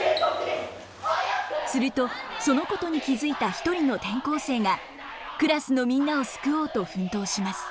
するとそのことに気付いた一人の転校生がクラスのみんなを救おうと奮闘します。